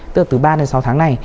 từ ba đến sáu tháng này